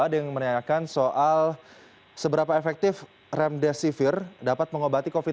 dengan menanyakan soal seberapa efektif remdesivir dapat mengobati covid sembilan belas